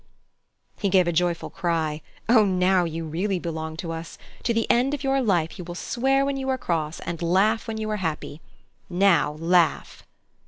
He gave a joyful cry, "Oh, now you really belong to us. To the end of your life you will swear when you are cross and laugh when you are happy. Now laugh!"